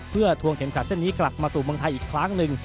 เพื่อทวงเข็มขัดเส้นนี้กลับมาสู่เมืองไทยอีกครั้งหนึ่ง